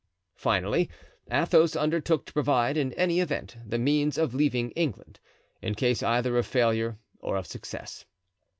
Finally, Athos undertook to provide, in any event, the means of leaving England—in case either of failure or of success.